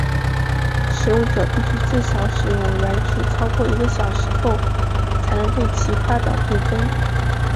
使用者必须至少使用软体超过一个小时后才能对其发表评分。